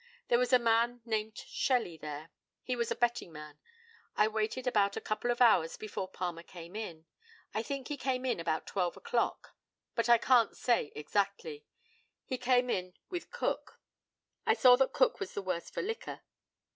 There was a man named Shelley there. He was a betting man. I waited about a couple of hours before Palmer came in. I think he came in about twelve o'clock, but I can't say exactly. He came in with Cook. I saw that Cook was the worse for liquor.